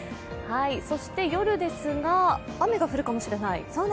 そして夜ですが雨が降るかもしれない。